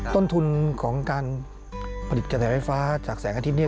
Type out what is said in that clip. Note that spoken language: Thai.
ต้นทุนของการผลิตกระแสไฟฟ้าจากแสงอาทิตย์